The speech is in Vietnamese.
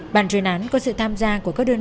ban chuyên án có sự tham gia của các đối tượng